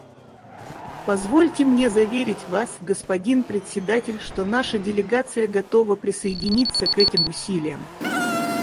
Позвольте мне заверить Вас, господин Председатель, что наша делегация готова присоединиться к этим усилиям.